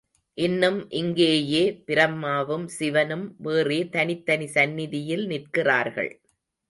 இன்னும் இங்கேயே பிரம்மாவும் சிவனும் வேறே தனித் தனி சந்நிதியில் நிற்கிறார்கள்.